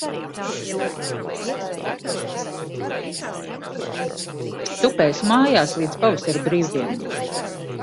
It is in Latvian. Tupēsi mājās līdz pavasara brīvdienām.